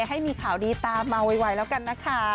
ให้มีข่าวดีตามมาไวแล้วกันนะคะ